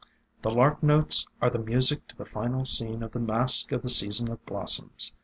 The lark notes are the music to the final scene of the masque of the Season of Blossoms.